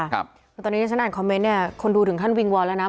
คือตอนนี้ที่ฉันอ่านคอมเมนต์เนี่ยคนดูถึงขั้นวิงวอนแล้วนะ